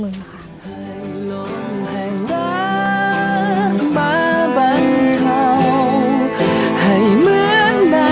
ทุกคนอยู่ข้างหนูเสมอค่ะ